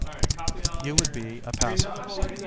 You would be a Pacifist.